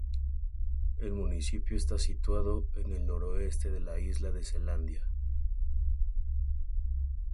El municipio está situado en el noroeste de la isla de Selandia.